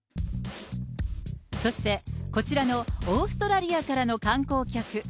そして、こちらのオーストラリアからの観光客。